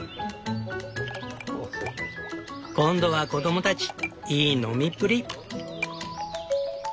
今度は子どもたちいい飲みっぷり。